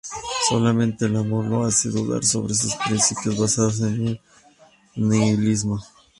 Solamente el amor lo hace dudar sobre sus principios basados en el nihilismo.